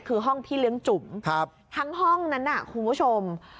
คือห้องพี่เลี้ยงจุ๋มทั้งห้องนั้นน่ะคุณผู้ชม